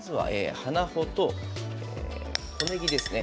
花穂と小ねぎですね。